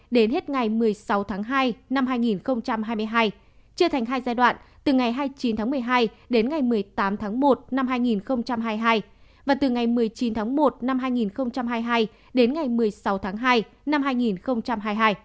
đến hết ngày một mươi sáu tháng hai năm hai nghìn hai mươi hai chia thành hai giai đoạn từ ngày hai mươi chín tháng một mươi hai đến ngày một mươi tám tháng một năm hai nghìn hai mươi hai và từ ngày một mươi chín tháng một năm hai nghìn hai mươi hai đến ngày một mươi sáu tháng hai năm hai nghìn hai mươi hai